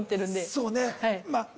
そうね。